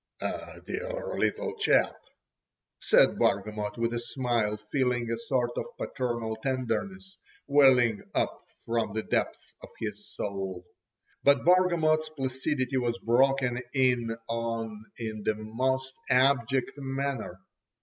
"Dear little chap!" said Bargamot with a smile, feeling a sort of paternal tenderness welling up from the depths of his soul. But Bargamot's placidity was broken in on in the most abject manner.